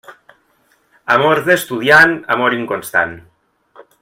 Amor d'estudiant, amor inconstant.